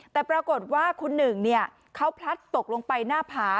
แต่ปรากฏว่าคุณหนึ่งเขาพลัดตกลงไปหน้าผา